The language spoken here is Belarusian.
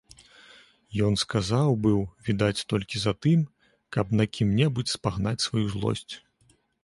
Ён сказаў быў, відаць, толькі затым, каб на кім-небудзь спагнаць сваю злосць.